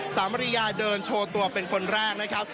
สามริยาเดินโชว์ตัวเป็นคนแรกนะครับ